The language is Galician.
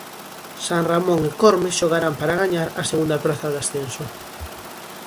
San Ramón e Corme xogarán para gañar a segunda praza de ascenso.